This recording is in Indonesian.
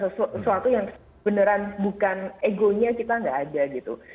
sesuatu yang beneran bukan egonya kita nggak ada gitu